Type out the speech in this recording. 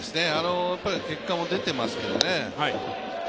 結果も出ていますけどね。